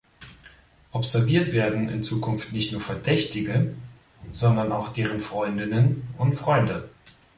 Observiert werden in Zukunft nicht nur Verdächtige, sondern auch deren Freundinnen und Freunde.